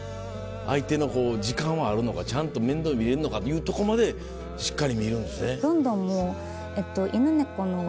相手の時間はあるのかちゃんと面倒見れんのかいうとこまでしっかり見るんですね。